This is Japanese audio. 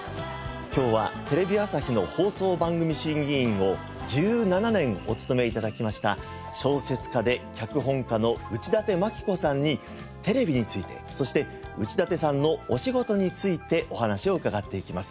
今日はテレビ朝日の放送番組審議委員を１７年お務め頂きました小説家で脚本家の内館牧子さんにテレビについてそして内館さんのお仕事についてお話を伺っていきます。